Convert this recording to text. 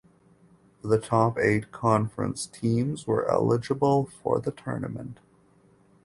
The top eight conference teams were eligible for the tournament.